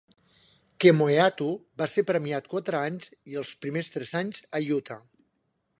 Kemoeatu va ser premiat quatre anys i primer tres anys a Utah.